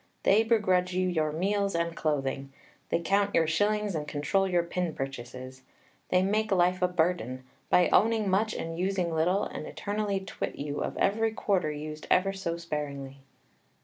They begrudge you your meals and clothing. They count your shillings and control your pin purchases; they make life a burden, by owning much and using little, and eternally twit you of every quarter used ever so sparingly.